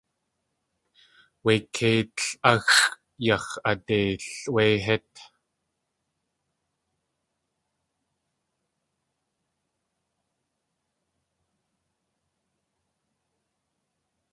Wé keitl áxʼ yax̲ adeil wé hít.